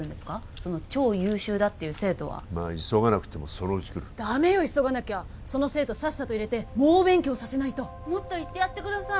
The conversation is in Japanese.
その超優秀だっていう生徒はまあ急がなくてもそのうち来るダメよ急がなきゃその生徒さっさと入れて猛勉強させないともっと言ってやってください